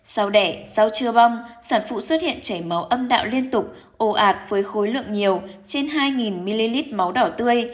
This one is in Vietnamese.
sao đẻ rau chưa bong sản phụ xuất hiện chảy máu âm đạo liên tục ồ ạt với khối lượng nhiều trên hai ml máu đỏ tươi